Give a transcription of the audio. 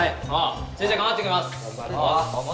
先生頑張ってきます。